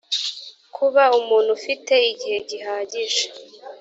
kuba umuntu ufite igihe gihagije